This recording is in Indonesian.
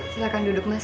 silahkan duduk mas